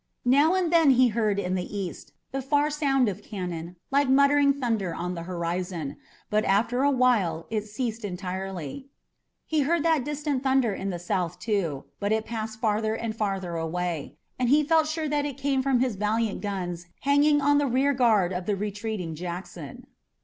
Now and then he heard in the east the far sound of cannon like muttering thunder on the horizon, but after a while it ceased entirely. He heard that distant thunder in the south, too, but it passed farther and farther away, and he felt sure that it came from his valiant guns hanging on the rear guard of the retreating Jackson.